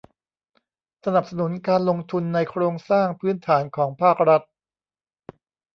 สนับสนุนการลงทุนในโครงสร้างพื้นฐานของภาครัฐ